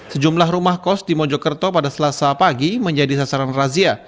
sejumlah rumah kos di mojokerto pada selasa pagi menjadi sasaran razia